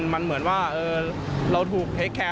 มันเหมือนว่าเราถูกเทคแคร์